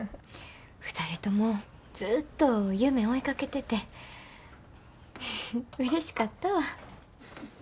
２人ともずっと夢追いかけててうれしかったわ。